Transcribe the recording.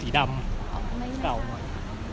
นี่คือตัวของคุณพอกแก้วนะครับ